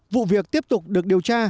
vụ việc tiếp tục được điều tra